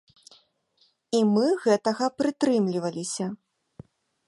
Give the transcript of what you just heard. І мы гэтага прытрымліваліся.